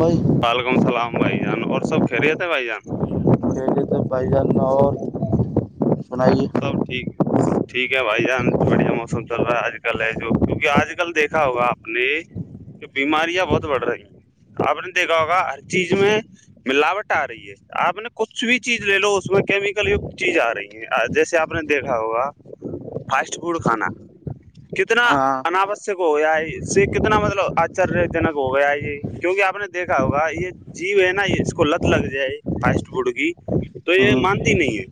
نہیںئی [inaudible] وعلیکمسلام بھائی جان اور سب کہ رہے تھے بھائی جان کتےے تھے بھائی جان اور سنائیے سب ٹھیکب ٹھیک ہے بھائی جان بڑھیا موسم چل رہا ہے آج کل ہے جو کیونکہ آج کل دیکھا ہوگا آپ نے کہ بیماریاں بہت بڑھ رہی ہیں آپ نے دیکھا ہوگا ہر چیز میں ملاوٹ آ رہی ہے آپ نے کچھ بھی چیز لے لو اس میں کیمیکل ی چیز آ رہی ہے جیسے آپ نے دیکھا ہوگا فاسٹ فوڈ کھانا کتنا ہاں اوش ہو گیا ہے اس کتنا مطلب آچر جنک ہو گیا ہے یہ کیوںکہ آپ نے دیکھا ہوگا یہ جی وہ ہے نا اس کو لت لگ جائے فاسٹ فوڈ کی تو یہ ہ مانتی نہیں ہے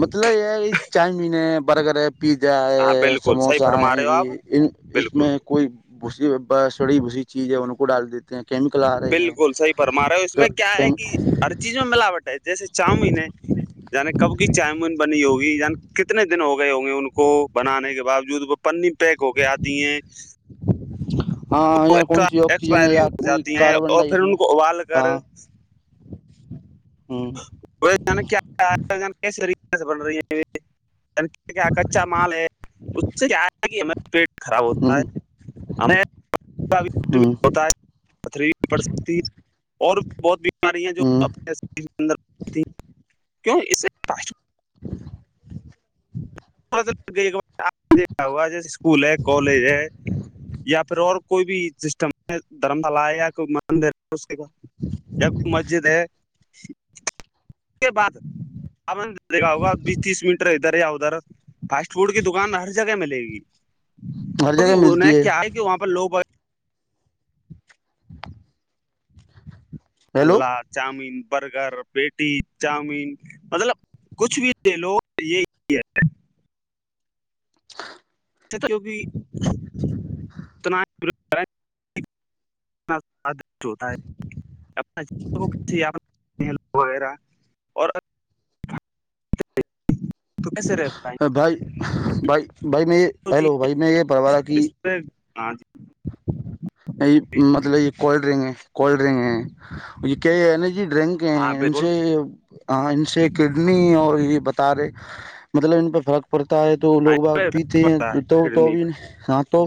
مطلب یہ یہ چاؤمین ہے برگر ہے پیزا ہاں ہے بالکل صحیح سموسہ فرما ہے رہے ہو آپ یہ ان اس بالکل میں کوئی بھ بسڑی بھسی چیز ہے ان کو ڈال دیتے ہیں کیمیکل آ رہے بالکل صحیح پرما رہے ہو اس میں کیا ہیں ہے کہرچ چیز میں ملاوٹ ہے جیسے چاؤمین ہے یعنی کب کی چاؤمین بنی ہوگی کتنے دن ہو گئے ہوں گے ان کو بنانے کے باوجود وہ پنی پیک ہو کے آتی ہیں [inaudible] ہاں وہ یار کون سی آکسیجن ہے ایکسپائری یا ہو کوئی جاتی ہیں کاربن ڈ اور پھر اس ان میں کو ابال کر ہاں ہوں [inaudible] ہو جان کیاس طریقے سے بن رہی ہیں [inaudible] کیا کچا مال ہے اس سے کیا آئے گی [inaudible] پیٹ خراب ہوتا ہے ہ ہوتا ہے [inaudible] پتھری پڑ سکتی ہے اور بہت بیمارییاں ہ جونے [inaudible] ر کیوں اس [inaudible] ج [inaudible] دیکھا ہوا جیسے اسکول ہے کالج ہے [inaudible] یا پھر اور کوئی بھی سسٹم دھرم شالا ہے یا کوئی مندر ہے اس کا جب مسجد ہے اس بعدند دیکھا ہوگا بیس تیس منٹر ادھر یا ادھر [inaudible] فاسٹ فوڈ کی دکان ہر جگہ ملے گی ہر کیکہ جگہ ملتی انہیں کیا ہے کہ وہاں پہ لوگ ب ہیلو اللہ چاؤمین برگر پیٹی چاؤمین مطلب کچھ بھی لے لو یہی ہے [inaudible] ہو کہ اتنا ات ہوتا ہے اپ وغیرہ اور ہاں بھائی بھائی بھائی میں یہ ہیلو بھائی میں یہ پروارہ کی ہ مطلب یہ کولڈ ڈرنک ہے کولڈ ڈرنک ہیں یہ کیا یہ انرجی ڈرنک ہاں ہیں ان بالکل سے ان سے کڈنی ہاں اور یہ بتا رہے مطلب ان پہ فرق پڑتا ہے تو لوگ باگ پیتے ہیں پڑتا تو ہے تو نہیں ہاں تو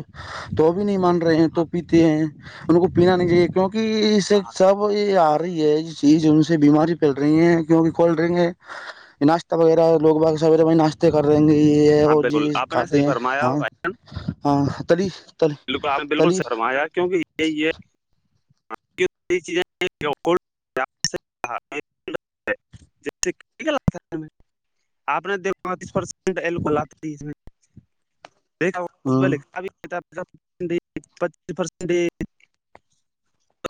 تو بھی نہیں مان رہے ہیں ہاں تو پیتے ہیں ان کو پینا نہیں چاہیے کیوںک سے ہاں ہاں سب یہ آ رہی ہے یہ چیز ان سے بیماری پھیل رہی ہے کیونکہ کولڈ ڈرنک ہے ناشت وغیرہ لو با سو ناشہ ک کر رہیں ہیں گ یہ وہ بالکل جیز آپ نے کھاتے صحیح ہیں فرمایا ہاں ہاں تلی تلی بالکل آپ نے بالکل تلی سرمایا کیونکہ یہ یہ چزیں جیسے آپ نے دیکھاس پرسینٹ ایل کو لاتا اس ہوں دیکھاچیس پر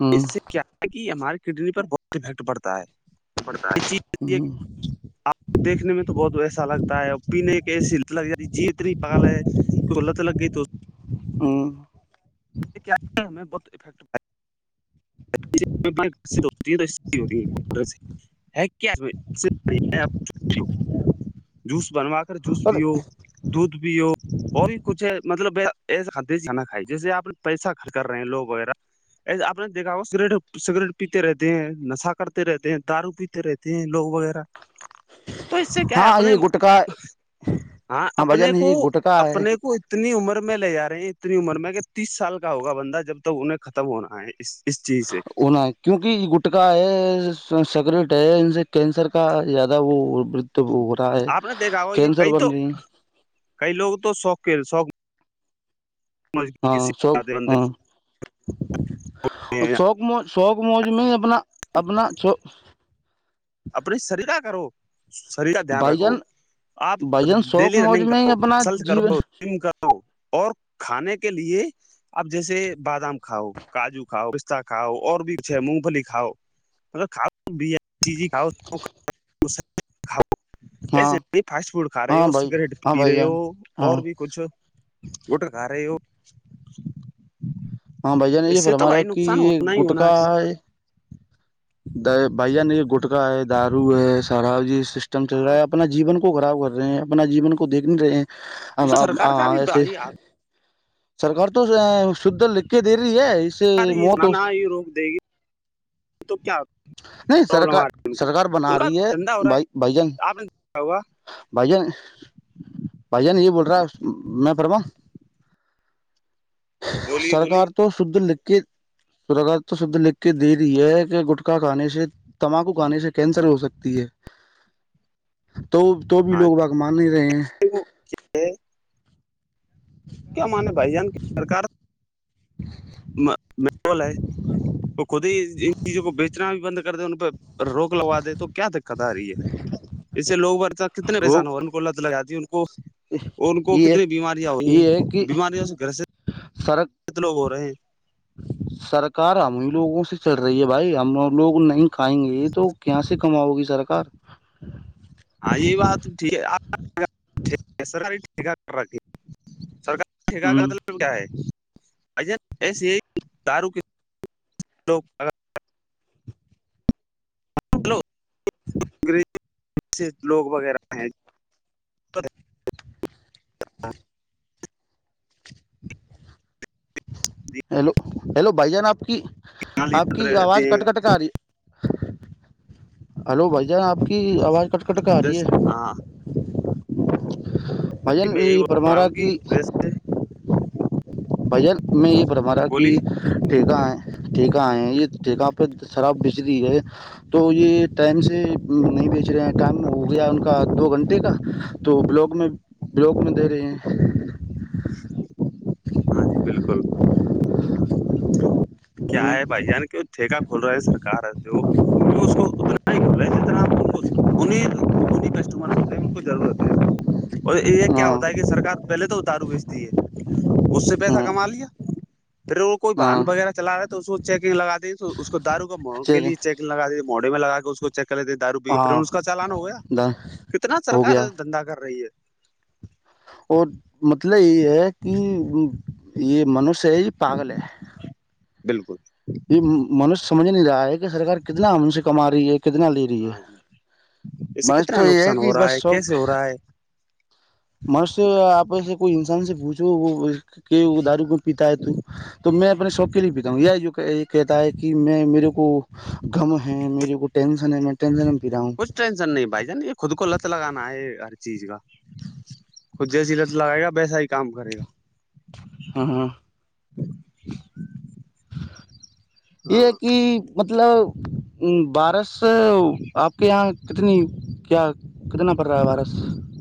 ہوں اس سے کیا ہے کہ ہماری کڈنی پر بہت افیکٹ پڑتا ہے پڑتا یہ ہے چیز ہوں آپ کو دیکھنے میں تو بہت ایسا لگتا ہے اور پینے کی ایسیت لگ جاتی ہے جی اتنی پال ہے کلت لگی ت ہوں ہمیں بت افیکٹ ہوتی تو کیا [inaudible] جوس بنوا کر جوس پیو دودھ پیو اور بھی کچھ مطلب ایسے کھادی کھانا کھائے جیسے آپ پیسہ کچ کر رہے ہیں لوگ وغیرہ ایسےپ نے دیکھا ہو سگریٹ سگریٹ پیتے رہتے ہیں نشا کرتے رہتے ہیں دارو پیتے رہتے ہیں لوگ وغیرہ [inaudible] تو اس سے کیا ہے ہاں اپنے یہ گٹکا ہاں بھائی اپنے جان کو یہ گٹکا ہے اپنے کو اتنی عمر میں لے جا رہے ہیں اتنی عمر میں کہ تیس سال کا ہوگا بندہ جب تک انہیں ختم ہونا ہے اس اس چیز سے کونار کیونکہ یہ گٹکا ہے سکریٹ ہے ان سے کینسر کا زیادہ وہ جب وہ ہو رہا ہے آپ نے دیکھا ہو یہ کینسر کئی تو بن رہی کئی لوگ تو سوک سو ہاں شوک ہاں شوق م شوق مج میں اپنا اپنا چو اپنی سریرا کرو شریر کا دھیان بھائی رکھو جان آپ بھائی جان شوق ڈیلی موج رننگ میں ہی اپنا کرول جیون کرو جم کرو اور کھانے کے لیے آپ جیسے بادام کھاؤ کاجو کھاؤ کتا کاؤ اور بھی کچھ ہے مونگ پلی کاؤ مطلب کھؤ کھؤ کھاؤ ایسے ہاں نہیں فاسٹ فوڈ کھا رہے ہاں ہو بھائی سگریٹ ہاں پی بھائی رہے ہو جان ہاں اور بھی کچھ گٹ کا رہے ہو ہاں بھائی جان اس یہ سے تو ہمارا بھائی کہ نقصان یہ ہونا ہی ہونا گٹکا ہے بھائی ج نہیں یہ گٹکا ہے دارو ہے سارا جی سسٹم چل رہا ہاں ہے اپنا جیون کو خراب کر رہے ہیں اپنا جیون کو دیکھ نہیں رہے ہیں اس ہم سرکار کا ہ بھی ایسے بھائی سرکار تو شھ لکھ کے دے رہی ہے اس سے یہ موت ہی روک دے گی تو کیا نہیں پرابلم آ سرکار رہی سرکار ان بنا کا رہی ہے دھندا ہو رہا بھائی بھائی جان آپ نے دیکھا ہوگا بھائی جان بھائی جان یہ بول رہا میں پرمان [inaudible] بولی بولی تو سوددھ لت سگ تو شد لکھ کے دے رہی ہے کہ گٹکا کھانے سے تماکو کھانے سے کینسر ہو سکتی ہے تو تو بھی ہاں لوگ باغ مان ہی رہے ہیں [unintelligible] کیا مانے بھائی جان کی سر مول ہے وہ خود ہی ان چیزوں کو بیچنا بھی بند کر د ان پہ روک لگوا دے تو کیا دقت آ رہی ہے اس سے لووں ب کتنے وہ پریشان ہو لت لگاتی ان کو ان کو یہ ہے کتنی بیماریاں ہوئی ہیں بیماریاوں سے گھر سے سڑک کت لوگ ہو رہے ہیں سرکار ہمیں لوگوں سے چل رہی ہے بھائی ہم لوگ نہیں کھائیں گے یہ تو کیااں سے کماؤ گی سرکار ہاں یہی بات تو ٹھیک ہے آپ سریک رھی ہگا ہ ال کیا ہے اج ایسی ہے کہ داروں کے لوگ اگر و انگریز سے لوگ وغیرہ ہیں ا ہیلو ہیلو بھائی جان آپ کی آپ کی رہتے آواز کٹ کٹ کر آ رہی ہے ہلو بھائی جان آپ کی آواز کٹ کٹ کے آ ہیں رہی ہے ہاں بھائی جان میں یہی یہ بول رہا برمارا ہوں گ سے بھیا میں یہ برما رہا کہ ٹھیکا ہے ٹھیکا ہے یہ ٹھیکا پہ شراب بجلی ہے تو یہ ٹائم سے نہیں بیچ رہے ہیں کام میں ہو گیا ان کا دو گھنٹے کا تو بلاگ میں بلاوک میں دے رہے ہیں ہاں جی بالکل کیا ہیں ہے بھائی ان کہ ٹھیکہ کھول رہا ہے سرکار جو اس کو ا ک اسی طرح ان کو ان ان کسٹمر بتے ہیں ان کو ضرورت ہے اور یہ کیا ہاں ہوتا ہے کہ سرار پہلے تو دارو بیچتی ہے اس سے پیسہ ہاں کما لیا پھر وہ کوئی واہن ہاں وغیرہ چلا رہا ہے تو اس کو چیکنگ لگا دیںے اس کو دارو کا م کے ٹھیک ہے لیے چیک لگا دیے موڑے میں لگا کے اس کو چلے تھے دارو پی پھر ہاں اس کا چالانا ہو گیا کتنا ہو گیا سرکار دندا کر رہی ہے اور مطلب یہ ہے کہ یہ منوش ہے یہ پاگل ہے بالکل یہ منش سمجھ نہیں رہا ہے کہ سرار کتنا ان سے کما رہی ہے کتنا لے ہاں جی اس سے بس کتنا تو یہ ہے نقصان کہ ہو بس رہا شوق کیسے ہو رہا ہے مر سے آپ سے کوئی انسان سے بوھو وہ کہ دارو کو پیتا ہے تو تو میں اپنے شوق کے لیے بتا ہوں یہ کہتا ہے کہ میں میرے کو غم ہے میرے کو ٹینشن ہے میں ٹینشن میں پی رہا ہوں کچھ ٹینشن نہیں بھائی جان یہ خود کو لت لگانا ہے ہر چیز کا خود جیسی لت لگائے گا ویسا ہی کام کرے گا ہاں ہاں گا یہ ہاں ہے کہ مطلب بارش آپ کے یہاں کتنی کیا کتنا پڑ رہا ہے بارس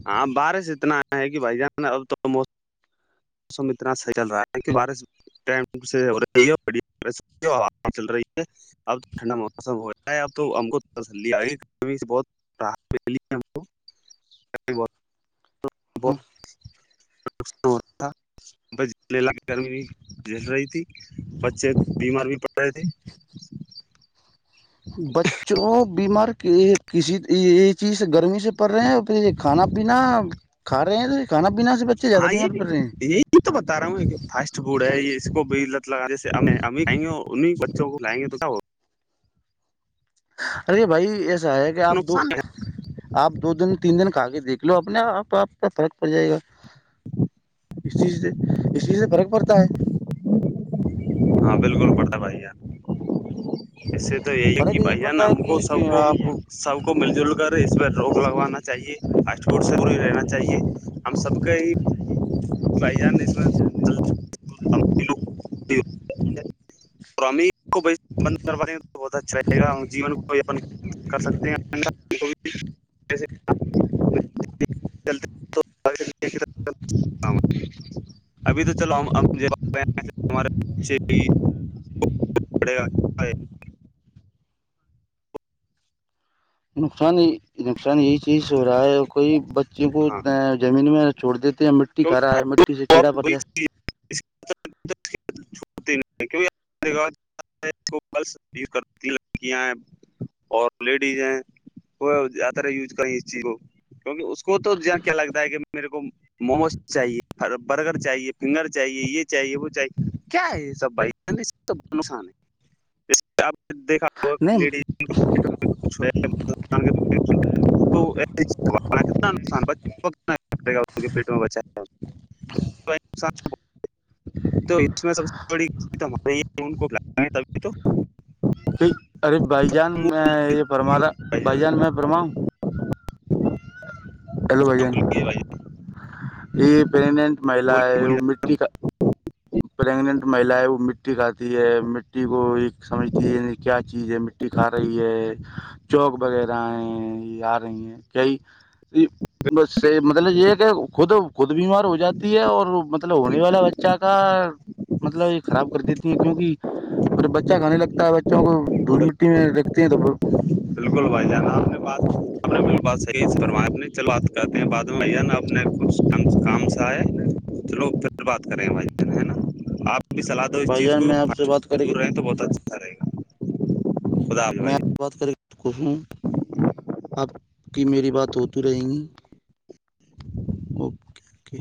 ہاں بارش اتنا آ ہے کہ بھائی جان اب تووم موسم اتنا صحیح چل رہا ہے کہ بارش ٹم سے ہو رہی ہےڑ چل رہی ہے اب تو ٹھنڈا موسم ہو جا ہے اب تو ہم کو تسلی آ گیھی بہت ر تھا گمی جل رہی تھی بچے بیمار بھی پڑ رہے تھے بچ جو بیمار کسی یہ چیز گرمی سے پڑ رہے ہیں پھر یہ کھانا پینا کھا رہے ہیں تھے ہاں یہ بھی یہ تو بتا رہا ہوں فاسٹ فوڈ ہے یہ اس کو بھی ل جی ا آائیں گے ان بچوں کو لائیں گے تو ہو ارے بھائی ایسا ہے کہ آپ دو نقصان ہے آپ دو دن تین دن کا کے دیکھ لو اپنے آپ آپ کا فرق پڑ جائے گا [unintelligible] اس چیز سے اس چیز سے فرق پڑتا ہے ہاں بالکل پڑتا بھائی یار ایسے تو یہی ہے فرق کہ بھائی ن پڑتا ہم کو ہے سب کہ کو آپ سب کو مل جل کر اس پہ روک لگوانا چاہیے فاسٹ فوڈ سے بی رہنا چاہیے ہم سب کے ہی بھ جان اس میں ب ج اور امی کو ب بند کروانے تو بہت اچھاے گا ہم جیون میں کو کر سکتے ہیں [unintelligible] ابھی تو چلو ہمار پڑے گا نقصان یہ نقصان یہی چیز ہو رہا ہے کوئی بچے کو ہاں زمین میں چھو دیتے ہیں مٹی کھا ہے مٹی سے کیڑا پڑ جائے [unintelligible] یز کر لڑکیاں ہیں اور لیڈیز ہیں ہو ایا تر یوز کر اس چیز کو کیونکہ اس کو تو ج کیا لگتا ہے کہ میرے کو م برگر چاہیے فنگر چاہیے یہ چاہیے وہ چاہیے کیا ہے یہ سب بھائی نقان ہے دیکااچ نہیں س ناقصانا پیٹ ب تو اس میں سب سے بڑی تو مارے تو ان کو ہے تبھی تو ارے بھائی جان میں یہ فرما بولیے رہا بھائی جان میں فرماؤں [unintelligible] بھ ہاں جان بلیے بائی یہ پرگنےنٹ مہلا ہے بولیے بولیے مٹی کا پیگنٹ مہی ہے وہ مٹی کھاتی ہے مٹی کو ایک سمجھتی ہے کیا چیز ہے مٹی کھا رہی ہے چوک وغیرہ ہیں یہ آ رہی ہیں کئی ب مطلب یہ ہے کہ خود خود بیمار ہو جاتی ہے اور مطلب ہونے والا بچہ کا مطلب یہ خراب کر دیتی کیونکہ پھر بچہ کھانے لگتا ہے بچوں کو ہاں دھول مٹی بالکل میں رکھتے ہیں تو میں بات ات چلو بات کہتے ہیں بعد میں نا اپنے کچھ کام سے آئے تووگ پھر بات کریں بھائیا ج بھی صلاح دو اس چیز کو پانچٹ سے دور رہے تو بہت اچھا رہ گا خدا حافظ بھائی میں آپ بات کر ہوں آپ کی میری بات ہوتی رہے گی اوکے اوکے